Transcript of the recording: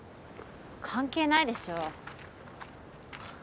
関係ないでしょ。